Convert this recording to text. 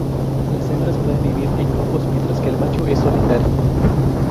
Las hembras pueden vivir en grupos, mientras que el macho es solitario.